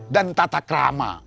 dan tata krama